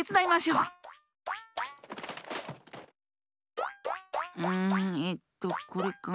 うんえっとこれかな？